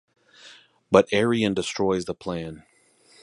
But Aryan destroys the plan.